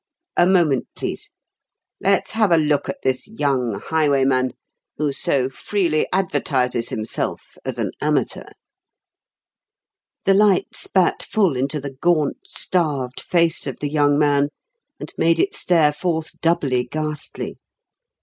A moment, please. Let's have a look at this young highwayman, who so freely advertises himself as an amateur." The light spat full into the gaunt, starved face of the young man and made it stare forth doubly ghastly.